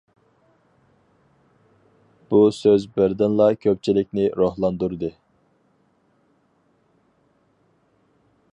بۇ سۆز بىردىنلا كۆپچىلىكنى روھلاندۇردى.